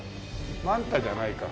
マンタじゃないか。